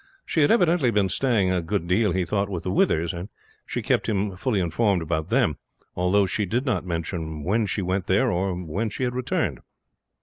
She had evidently been staying a good deal, he thought, with the Withers, and she kept him fully informed about them, although she did not mention when she went there or when she had returned.